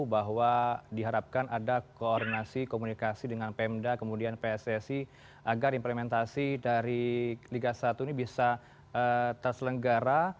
bahwa diharapkan ada koordinasi komunikasi dengan pemda kemudian pssi agar implementasi dari liga satu ini bisa terselenggara